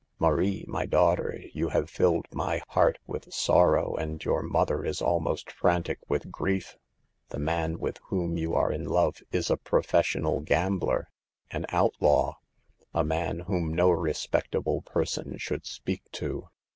" Marie, my daughter, you have filled my heart with sorrow, and your mother is almost frantic with grief. The man with whom you are in love is a professional gambler, an outlaw ; a man whom no respectable person should speak to.